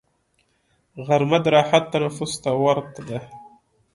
غرمه د راحت تنفس ته ورته ده